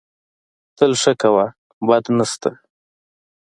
تل ښه کوه، بد نه سته